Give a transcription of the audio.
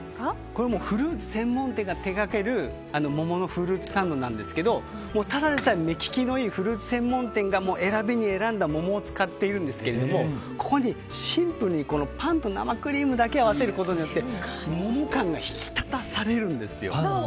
これはフルーツ専門店が手掛ける桃のフルーツサンドなんですけどただでさえ目利きのいいフルーツ専門店が選びに選んだ桃を使っているんですけどもここにシンプルにパンと生クリームだけを合わせることで桃感が引き立たされるんですよ。